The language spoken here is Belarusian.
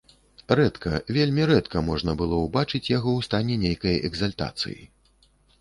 Рэдка, вельмі рэдка можна было ўбачыць яго ў стане нейкай экзальтацыі.